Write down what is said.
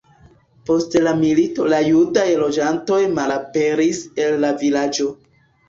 Post la milito la judaj loĝantoj malaperis el la vilaĝo.